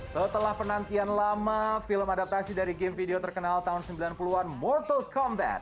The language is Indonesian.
setelah penantian lama film adaptasi dari game video terkenal tahun sembilan puluh an mortal combat